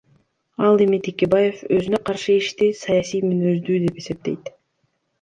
Ал эми Текебаев өзүнө каршы ишти саясий мүнөздүү деп эсептейт.